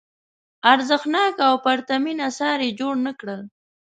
ارزښتناک او پرتمین اثار یې جوړ نه کړل.